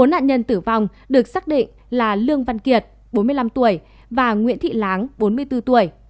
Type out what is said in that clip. bốn nạn nhân tử vong được xác định là lương văn kiệt bốn mươi năm tuổi và nguyễn thị láng bốn mươi bốn tuổi